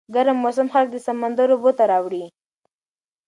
ګرم موسم خلک د سمندر اوبو ته راوړي.